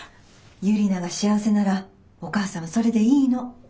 ユリナが幸せならお母さんはそれでいいの。